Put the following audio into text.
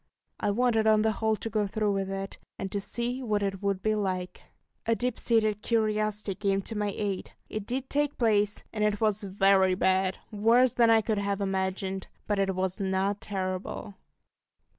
I wanted on the whole to go through with it, and to see what it would be like. A deep seated curiosity came to my aid. It did take place, and it was very bad worse than I could have imagined; but it was not terrible!